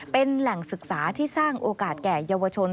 เป็นแหล่งศึกษาที่สร้างโอกาสแก่เยาวชน